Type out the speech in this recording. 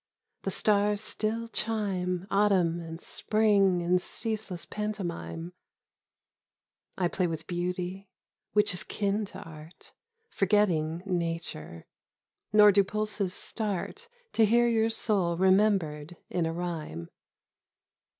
The stars still chime Autumn and Spring in ceaseless pantomime. I play with Beauty, which is kin to Art, Forgetting Nature. Nor do pulses start To hear your soul remembered in a rhyme.